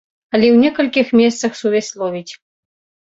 Але ў некалькіх месцах сувязь ловіць.